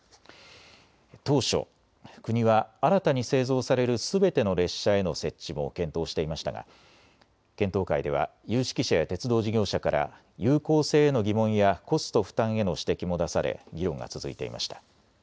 当初、国は新たに製造されるすべての列車への設置も検討していましたが検討会では有識者や鉄道事業者から有効性への疑問やコスト負担への指摘も出され議論が続いていました。